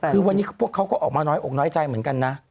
คือวันนี้พวกเขาก็ออกมาน้อยอกน้อยใจเหมือนกันนะ